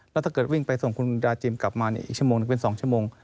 แล้วถ้าเกิดวิ่งไปส่งคุณดาจิมกลับมาอีกชั่วโมงหนึ่งเป็น๒ชั่วโมง